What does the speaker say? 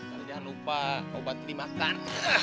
jadi jangan lupa obat dimakan